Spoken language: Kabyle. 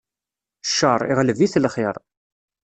Cceṛ, iɣleb-it lxiṛ.